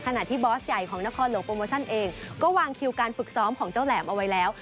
ที่บอสใหญ่ของนครหลวงโปรโมชั่นเองก็วางคิวการฝึกซ้อมของเจ้าแหลมเอาไว้แล้ว